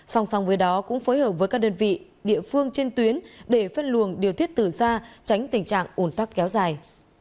xong xong với đó cũng phối hợp với các đơn vị địa phương trên tuyến để phân luồng điều thuyết tử ra tránh tình trạng ổn tắc kéo dài